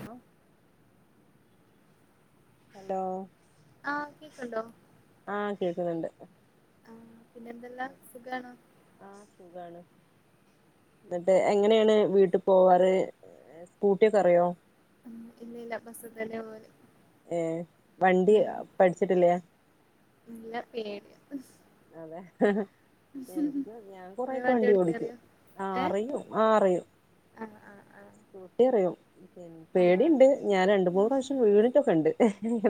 അപ്പം ഹലോ ആഹ കേക്ക്ണ്ടോ ആഹ കേക്ക്ന്ന്ണ്ട് ആ പിന്നെ എന്തെല്ലാ സുഖണോ ആഹ സുഖാണ് ന്ന്ട്ട് എങ്ങനെണ് വീട്ടി പോവാറ് സ്കൂട്ടി ഒക്കെ അറിയോ ഉം ഇല്ല ഇല്ല ബസ്സ് തന്നെ പൊവല് ഏ വണ്ടി പഠിച്ചിട്ടില്ലേ ഇല്ല പേടിയാ അതെ എനിക്ക് ഞാൻ ഇങ്ങള് കൊറെക്കെ വണ്ടി ഒടിക്കും ഓടിക്കാറിയോ ആ അറിയും ആ അറിയും ആഹ ആ ഹആഹ ക്കൂട്ടി അറിയും പേടിണ്ട് ഞാൻ രണ്ട് മൂന്ന് പ്രാവശ്യം വീണിട്ടൊക്കെ ഇണ്ട്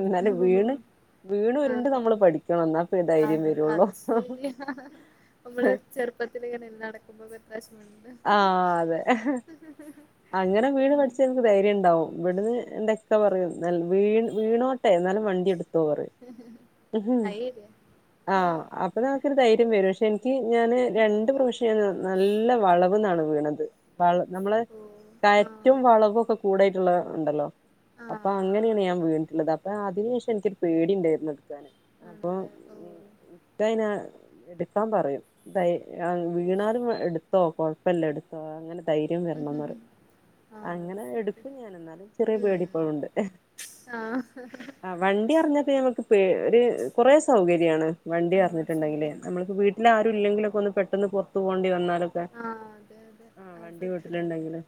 എന്നാലും വീണ് ആഹ് വീണ് ഉര്ണ്ട് ആഹ് നമ്മള് പഠിക്കണം ന്നാപ്പ ദൈര്യം അത് വ അത് ശെരിയാ നമ്മള് ചെർപ്പത്തില് ഇങ്ങനെ നടക്കുമ്പോ പ്പ എത്രാപ്രവിശ്യം വീണ് ആഹ അതെ അങ്ങനെ വീണ് ഉം പഠിച്ച ദൈര്യം ഇണ്ടാവും ഇവ്ട്ന്ന് ന്റെക്ക പറയും വീ വീണോട്ടെ ന്നാലും വണ്ടി ഇട് ത്തോറിം അയ് ശരിയാ ആഹ ഒരു കണക്കിന് ധൈര്യം വരും പക്ഷെ എനിക്ക് ഞാന് രണ്ട് പ്രാവശ്യം ഞാൻ നല്ല വളവ്ന്നാണ് വീണത് വള നമ്മള് ഓഹ് കയറ്റും ആഹ് വളവും ഒക്കെ കൂടായിട്ട്ള്ളഹ് ഇണ്ടല്ലോ അപ്പാ ആഹ് അങ്ങനെണ് ഞാൻ വീണ്ട്ട്ട്ള്ളത് അപ്പ അതിനെഷം ഇൻക്ക് പേടി ഇണ്ടായിര്ന്നെടിക്കാന് അപ്പൊ ആണല്ലേ ഉം ഓഹ് ക്കയ്ന ഇട്ക്കാൻ പറയും വീണാലും പറയും എട്ത്തോ കൊഴ് പ്പല്ല ഇട്ത്തോ അങ്ങനെ ദൈര്യം വരണംന്നറിം ആഹ് അത് അങ്ങനെ സെറ്റ് ഇട്ക്കും ഞാൻ എന്നാലും ചെറിയ ഉം പേടിപ്പോഴുണ്ട് ആഹ് ആഹ വണ്ടി അറിഞ്ഞത് നങ്ങക്ക് ഒര് കുറെ സൗകര്യാണ് വണ്ടി ആഹ് അറിഞ്ഞ്ട്ട്ണ്ടങ്കില് ശരിയാ നമ്മള് ഇപ്പൊ വീ ട്ടിലാരുല്ലങ്കിലൊക്കെ ഒന്ന് പെട്ടന്ന് പൊറത്ത് പൊവണ്ടി വന്നാലൊക്കെ ആഹ അതെ അതെ ആഹ് അത് വണ്ടി സത്യം വീട്ടിലുണ്ടെങ്കില്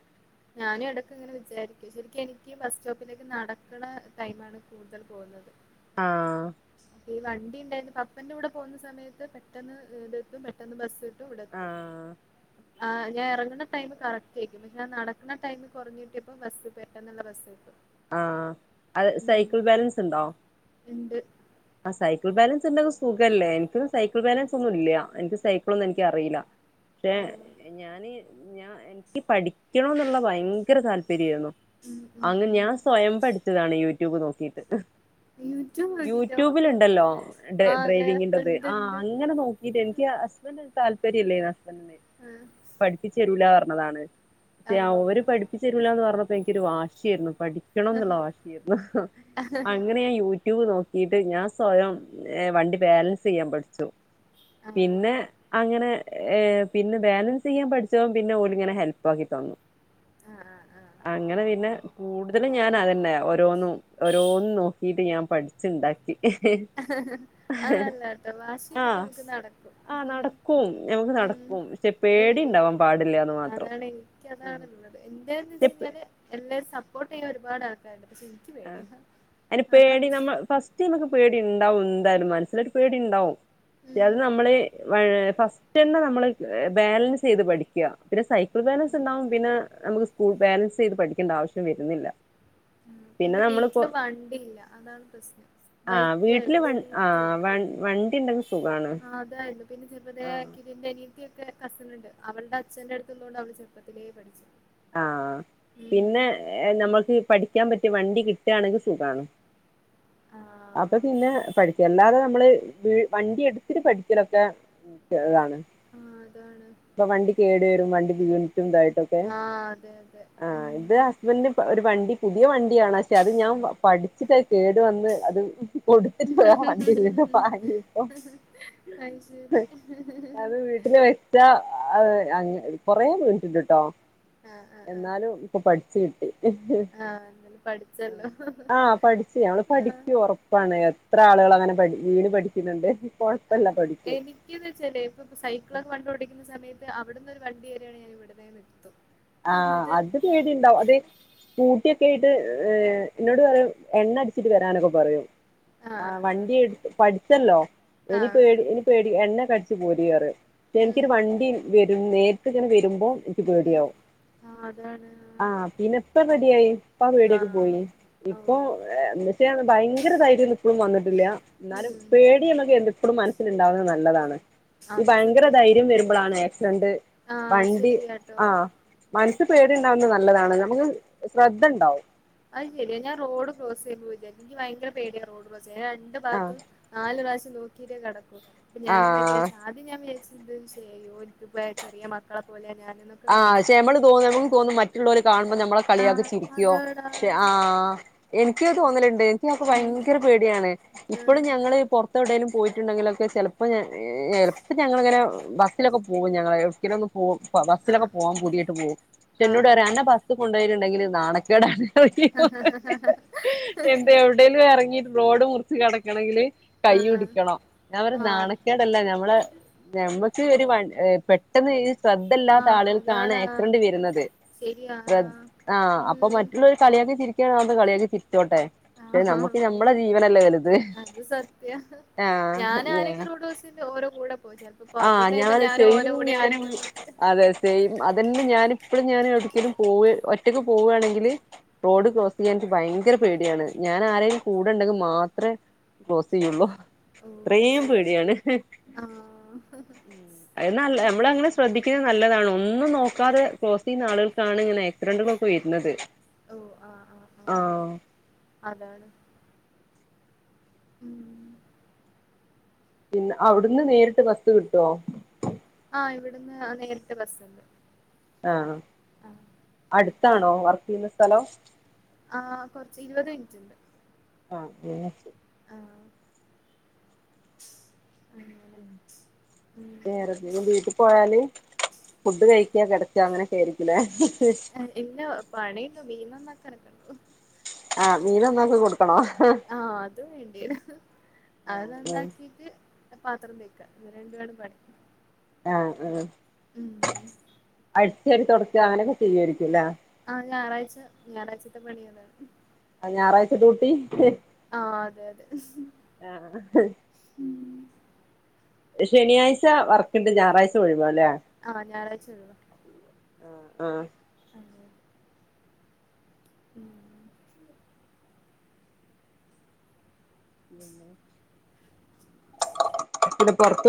ഞാനും ഇടക്ക് ഇങ്ങനെ വിചാരിക്കൂ ശരിക്കൂ എനിക്ക് ബസ് സ്റ്റോപ്പിലേക്ക് നടക്കണ ടൈം ആണ് കൂട്തൽ പോവ്ന്നത് ആഹ ഈ വണ്ടി ഇണ്ടായിരുന്നു പപ്പന്റെ കൂടെ പോഹന്ന സമയത്ത് പെട്ടെന്ന് ഇവിടെത്തും പെട്ടെന്ന് ബസ് ഇട്ടും ഇവടെ എത്തും ആഹ് ആഹ ഞാൻ എറങ്ങ്ണ ടൈം കറക്റ്റേയ്ക്കും പക്ഷെ ഞാൻ നടക്ക്ണ ടൈമ് കൊറഞ്ഞ് കിട്ടിയപ്പോ ബസ്സ് പെട്ടന്ന്ള്ള ബസ്സ് കിട്ടും ആ ഹ അത് ഉം സൈക്കിൾ ബാലൻസ് ഇണ്ടോ ഇണ്ട് ആ ഹ സൈക്കിൾ ബാലൻസ് ഇണ്ടങ്കി സുഖല്ലേ ഇൻക്ക് സൈക്കിൾ ബാലൻസ് ഒന്നും ഇല്ല എനിക്ക് സൈക്ക്ളോന്നും എനിക്ക് അറിലാ പക്ഷെ ഓഹ് ഞാന് ഞാൻ എനിക്ക് പഠിക്കണം എന്നുള്ള ഭയങ്കര താല്പര്യയിരുന്നു ഉം ഉം അങ്ങനെ ഉം ഞാൻ സ്വയം പഠിച്ചതാണ് യൂട്യൂബ് നോക്കിയിട്ട് യൂട്യൂബ് നോക്കീട്ടോ? യൂട്യൂബിൽണ്ടല്ലോ ഡെ ആഹ് അതെ ഡ്രൈവിങ്ങിറത് ഇണ്ട് ആഹ് ഇണ്ട് അങ്ങനെ നോ ക്കിട്ട് എനിക്ക് അസ്ബന് താല്പര്യമല്ലേ യിരുന്നു അസ്ബന്റിെ ആഹ് പഠിപ്പിച്ചരുല പറഞ്ഞതാണ് പക്ഷേ ആണോ ഓര് പഠി പഠിച്ചീരുലാന്ന് പറഞ്ഞപ്പോ എനിക്കൊരു വാശിയായിരുന്നു പഠിക്കണം എന്നുള്ള വാശിയായിരുന്നു അങ്ങനെയ യു ട്യൂബ് നോക്കിട്ട് ഞാൻ സ്വയം വണ്ടി ബാലൻസ് ചെയ്യാൻ പഠിച്ചു. ആഹ് പിന്നെ അങ്ങനെ. ഏ പിന്നെ ബാലൻസ് ചെയ്യാൻ പഠിച്ചപ്പം പിന്നെ ഓലിങ്ങനെ ഹെൽപ്പ് ആക്കി തന്നു. ആഹ് ആഹ് അങ്ങനെ പിന്നെ കൂടുതലും ആഹ് ഞാനതെ. പിന്നെ ഓരോന്നും, ഓരോന്നും നോക്കീട്ട് ഞാൻ പഠിച്ചുണ്ടാക്കി. അത് നല്ലട്ടോ ആ വാഷിണ്ടെങ്കി നമുക്ക് നടക്കും. ആഹ് നടക്കും നമുക്ക് ഉം. നടക്കും പക്ഷെ അത് പേടി ശരിയ ഉണ്ടാവാൻ പാടില്ലന്ന് മാത്രം അതാണ് ഉം എനിക്കതാണ്ള്ളത് എന്താന്ന്ച്ച് കഴിഞ്ഞാല്. എല്ലാരും സപ്പോർട്ട് ചെയ്യാൻ ഒരുപാട് ആൾക്കാരുണ്ട് പക്ഷെ എനിക്ക് ആഹ് പേടിയാ അതാണ്. ആദ്യം നമുക്ക് പേടിണ്ടാവും എന്തായാലും മനസ്സിലായിട്ട് പേടിണ്ടാവും ഉം അത് നമ്മള് ഫസ്റ്റ്. ഫസ്റ്റന്നെ നമ്മള് ബാലൻസ് ചെയ്ത് പഠിക്ക. പിന്നെ സൈക്കിൾ ബാലൻസ് ഇണ്ടാവും പിന്നെ നമുക്ക്. സ്കൂ, ബാലൻസ് ചെയ്ത് പഠിക്കേണ്ട ആവശ്യം വരുന്നില്ല. ഉം പിന്നെ വീട്ടില് വണ്ടി ഇല്ല അതാണ് പ്രശ്നം. ആഹ് വീട്ടില് ബൈക്കെള്ളൂ വ ആഹ് സ്കൂട്ടർല്ല വ വണ്ടി ഉണ്ടെങ്കിൽ സുഖാണ് ആഹ് അതെയുള്ള്. പിന്നെ ആഹ് ചെറുതെക്കി പിന്നെനീത്തിക്കെ കസിനിണ്ട് അവളുടെ അച്ഛന്റെ അടുത്ത്ന്നൊണ്ട് അവള് ചെറുപ്പത്തിലേ പഠിച്ചു. ആഹ് ഉം പിന്നെ നമ്മക്ക് ഈ പഠിക്കാൻ പറ്റിയ വണ്ടി കിട്ട് ആണെങ്കി സുഖാണ്. ആഹ്. അപ്പൊ പിന്നെ പഠിക്കണ്ടാത നമ്മള് വണ്ടി എടുത്തിട്ട് പഠിക്കലൊക്കെ. ഉം ചെറുതാണ്. ആഹ് അതാണ്. അപ്പൊ വണ്ടി കേടു വരും വണ്ടി വീണിറ്റും ഇതായിട്ടൊക്കെ. ആഹ് അതെ, അതെ. ആഹ് ഇത് ഉം ഹസ്ബന്റിന് ഒരു വണ്ടി പുതിയ വണ്ടിയാണ് പക്ഷെ അത് ഞാൻ പ ഠിച്ചിട്ടത് കേടു വന്ന് അത് കൊടുത്തിട്ട് പോ വേറെ വണ്ടി വീണ്ടും വാങ്ങിയപ്പോ. അഹ് ശരി. അത് വീട്ടില് വെച്ച കൊറെ വീണിട്ടുണ്ട് കേട്ടോ. ആഹ് ആഹ് ആഹ് എന്നാലും ഇപ്പൊ പഠിച്ചു. ആഹ് എന്തായാലും പഠിച്ചല്ലോ ആഹ് പഠിച്ച് ഞങ്ങള് പഠി ആഹ് എനിക്ക് ഉറപ്പാണ് എത്ര ആളുകളങ്ങനെ പഠി വീണ് പഠിക്കുന്നുണ്ട് കൊഴപ്പല്ല പഠിക്കും. എനിക്ക് ന്ന് വെച്ചാലെ ഇപ്പപ്പോ സൈക്കിളൊക്കെ പണ്ട് ഓടിക്കുന്ന സയത്ത് അവിടന്ന് ഒരു വണ്ടി വരിയാണ് ഞാൻ ഇവിടെന്നെ അങ്ങ് നിർത്തും. ആഹ് എന്നിട്ട് അത് പേടിണ്ടാവും അത്. സ്കൂട്ടിയൊക്കെ ആയിട്ട് എന്നോട് പറയും എണ്ണടിച്ചിട്ട് വരാനൊക്കെ പറയും. ആഹ് വണ്ടി എടുത്ത് പഠിച്ചല്ലോ ആഹ് ആഹ് ആഹ് ഇനിപ്പോനി. പേടി എണ്ണ കടിച്ച് പോര്റയും ഉം എനിക്കൊരു വണ്ടി വരും നേരിട്ടിങ്ങനെ വരുമ്പോ. ഇനിക്ക് ഉം പേടിയാവും. ആഹ് അതാണ്. ആഹ് പിന്നെപ്പ റെഡിയായി. ഇപ്പാ പേടിയൊക്കെ ആഹ് പോയി ഇപ്പൊ ഓഹ് എന്നച്ചാ ഭയങ്കര ധൈര്യംന്നും ഇപ്പോഴും വന്നിട്ടില്ല. എന്നാലും ഉം പേടി നമ്മുക്ക് എപ്പളും മനസ്സിലുണ്ടാവുന്നത് നല്ലതാണ്. ഈ അതും ഭയങ്കര സത്യാ ധൈര്യം വരുമ്പളാണ് ആക്സിഡന്റ് ആഹ് വണ്ടി ശരിയാട്ടോ ആഹ്. മനസ്സ് പേടിണ്ടാവുന്നത് നല്ലതാണ് നമുക്ക് ശ്രദ്ധണ്ടാവും. അത് ശരിയാ ഞാൻ റോഡ്ക്രോസ് ചെയ്യുമ്പ വിജാരിക്കും ഇനിക്ക് ഭയങ്കര പേടിയാ റോഡ് ക്രോസ് ചെയ്യാൻ ഞാൻ രണ്ട് ആഹ് ഭാത്തും. നാല് പ്രാവശ്യം നോക്കിയിട്ടേ കടക്കു. അപ്പ ഞാങ്ങനെ ആഹ് വിജാരിച്ച ആ. അദ്യ ഞാൻ വിജാരിച്ചത് ചെയ്യോ ഇപ്പോ ചെറിയ മക്കളെ പോലെ ഞാനുന്ന്. ആഹ്ക്ഷെ നമ്മള് തോ നമക്ക് തോന്നും മറ്റുള്ളോര് കാണുമ്പോ നമ്മളെ. കളിയാക്കി ആഹ് ചിരിക്കുവോ അതെടാ പക്ഷെ ആഹ് എനിക്കത് തോന്നലുണ്ട് എനിക്ക് അപ്പം ഉം ഭയങ്കര പേടിയാണ് ഉം ഇപ്പോഴും ഞങ്ങള് പുറത്തെവിടെലും പോയിട്ടുണ്ടെങ്കിലൊക്കെ ചിലപ്പോൾ ചെലപ്പൊഞങ്ങളിങ്ങനെ ബസ്സിലൊക്കെ പോകും ഞങ്ങൾ എവ്ടെ ക്കേലും ബിലൊക്കെ ആഹ് പോവാൻ കൂടയിട്ട് പോകാൻ പൂതിയായിട്ട് പോകും ഇങ്ങട്ട് എന്നോട് ആഹ് പറയും അന്നെ ബസ് കൊണ്ടോ യിട്ടണ്ടെങ്കിൽ നാണക്കേടാണ് എന്താ എവിടെലും ഇറങ്ങിട്ട് റോഡ് മുറിച്ച് കടക്കണമെങ്കില് കൈ ആഹ് പിടിക്കണം ഞാൻ പറയും ആഹ് നാണക്കേടല്ല ഞമ്മളെ നമ്മുക്ക് ഒരു പെട്ടെന്ന് ശ്രദ്ധല്ലാത്ത ആഹ് സമയത്താണ് അതാടാ ആക്സിഡൻ്റ് വരുന്നത് ശരിയാ ആഹ് അപ്പം ഉം മറ്റുള്ളോൽക്ക് കളിയാക്കി ചിരിക്കയാണേ കളിയാക്കി ചിരിച്ചോട്ടെ പക്ഷെ ആഹാ നമ്മുക്ക് നമ്മളെ ജീവനല്ലേ വലുത് അത് സത്യാ ആഹ് ആഹ് ഓരോ കൂടെ പോയി ചിലപ്പോൾ പുറത്തുന്ന് വരുമ്പോ ഞാൻ സെയിം ഓരോ കൂടെ ഞാന് വരുന്നത് അതെ സെയിം അതന്നെ ഞാനിപ്പഴും ഞാൻ ഒട്ക്കേലും പോവ ഒറ്റയ്ക്ക് പോവുകയാണെങ്കിൽ റോഡ് ക്രോസ് ചെയ്യാൻ ഭയങ്കര പേടിയാണ് ഞാൻ ആരേങ്കിലും കൂടെണ്ടെങ്കിൽ മാത്രേ ക്രോസ്സ് ചെയ്യോള്ളോ ഓഹ് അത്ശരി ആഹ് അത് നല്ല നമ്മളങ്ങനെ ശ്രദ്ധിക്കുന്നത് നല്ലതാണ് ഒന്നും നോക്കാതെ ക്രോസെയ്യുന്ന ആളുകൾക്കാണ് ഇങ്ങനെ [unintelligible] ഇപ്പൊ വരുന്നത് ഓഹ് ആഹ് ആഹ് ആഹ് അതാണ് ഉം പിന്നെ അവിടുന്ന് നേരിട്ട് ബസ് കിട്ടുവോ ആഹ് ഇവിടുന്ന് നേരിട്ട് ബസ്സുണ്ട് ആഹ് ആഹ അടുത്താണോ വർക്ക് ചെയ്യുന്ന സ്ഥലം ആഹ് കുറച്ച് ഇരുപത് മിനിറ്റ് ഉണ്ട് ആഹ് എന്ന് എച്ച് ആഹ് അങ്ങനെ ഉം വേറെ എന്തെങ്കിലും വീട്ടിൽ പോയാല് ഫുഡ് കഴിക്കാ കിടക്ക അങ്ങനെയൊക്കെ ആയിരിക്കുലേ ഇല്ല പണിണ്ട് മീൻ നന്നാക്കാനൊക്കെ ഉണ്ട് ആഹ് മീൻ നന്നാക്കി കൊടുക്കണോ ആഹ് അത് വേണ്ടിവരും അത് നന്നാക്കിട്ട് പാത്രം തേക്കാ ഇന്ന് രണ്ടുപേടും പഠിക്ക ആഹ് ആഹ് ഉം അടിചേരി തുടക്കുക അങ്ങനൊക്കെ ചെയ്യുമായിരിക്കുംലെ ആഹ് ഞായറാഴ്ച ഞായറാഴ്ചത്തെ പണി അതാണ് ആഹ് ഞായറാഴ്ച ഡ്യൂട്ടി ആഹ് അതെ അതെ ആഹ് ഉം ശനിയാഴ്ച വർക്കിണ്ട് ഞായറാഴ്ച ഒഴിവാല്ലേ ആഹ് ഞായറാഴ്ച ഒഴിവാ ആഹ് ആഹ് അതെ ഉം [unintelligible] [inaudible]